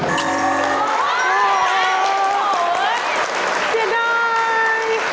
โอ้โฮโฮ้ยเสียดาย